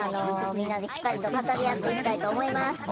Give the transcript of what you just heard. みんなでしっかりと語り合っていきたいと思います。